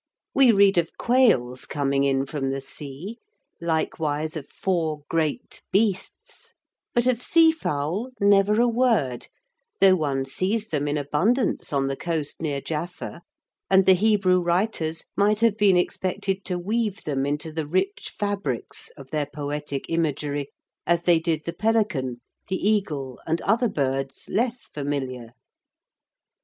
We read of quails coming in from the sea, likewise of "four great beasts," but of seafowl never a word, though one sees them in abundance on the coast near Jaffa, and the Hebrew writers might have been expected to weave them into the rich fabrics of their poetic imagery as they did the pelican, the eagle and other birds less familiar.